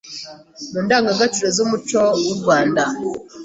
mu Indangagaciro z’umuco w’u Rwanda